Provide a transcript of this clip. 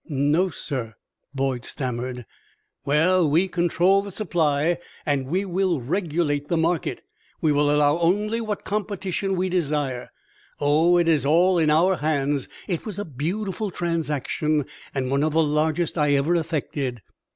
"No, sir," Boyd stammered. "Well, we control the supply, and we will regulate the market. We will allow only what competition we desire. Oh, it is all in our hands. It was a beautiful transaction, and one of the largest I ever effected."